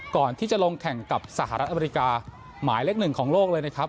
ก่อนที่จะลงแข่งกับสหรัฐอเมริกาหมายเลขหนึ่งของโลกเลยนะครับ